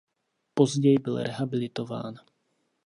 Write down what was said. Později byl rehabilitován.